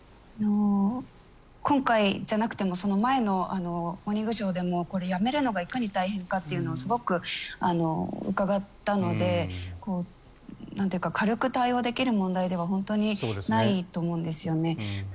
今回じゃなくてもこの前の「モーニングショー」でもやめるのがいかに大変かというのを伺ったので軽く対応できる問題では本当にないと思うんですよね。